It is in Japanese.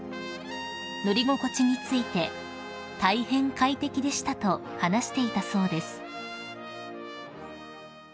［乗り心地について「大変快適でした」と話していたそうです］